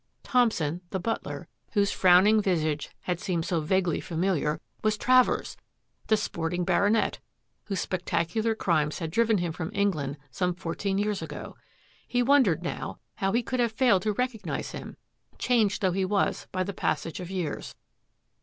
Thomp son, the butler, whose frowning visage had seemed so vaguely familiar, was Travers, " the Sporting Baronet," whose spectacular crimes had driven him from England some fourteen years ago. He wondered now how he could have failed to recog nise him, changed though he was by the passage of years.